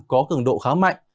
có cường độ khá mạnh